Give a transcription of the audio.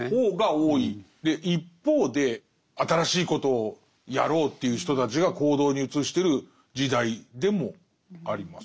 一方で新しいことをやろうという人たちが行動に移してる時代でもあります。